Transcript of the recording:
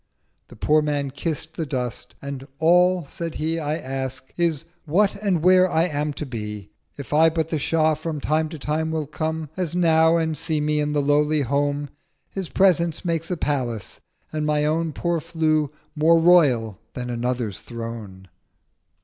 1080 The Poor Man kiss'd the Dust, and 'All,' said he, 'I ask is what and where I am to be; If but the Shah from time to time will come As now and see me in the lowly Home His presence makes a palace, and my own Poor Flue more royal than another's Throne.'